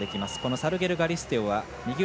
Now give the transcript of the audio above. サルゲルガリステオ。